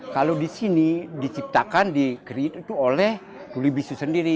kalau di sini diciptakan di create itu oleh uli bisu sendiri